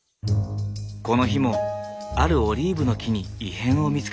この日もあるオリーブの木に異変を見つけた。